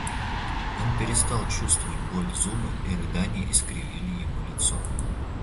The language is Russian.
Он перестал чувствовать боль зуба, и рыдания искривили его лицо.